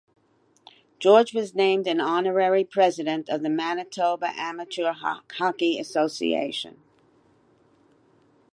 George was named an honorary president of the Manitoba Amateur Hockey Association.